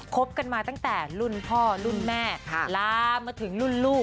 บกันมาตั้งแต่รุ่นพ่อรุ่นแม่ลามาถึงรุ่นลูก